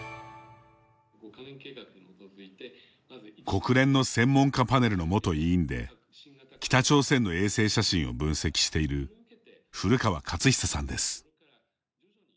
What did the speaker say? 国連の専門家パネルの元委員で北朝鮮の衛星写真を分析している古川勝久さんです。